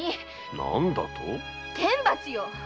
何だと⁉天罰よ‼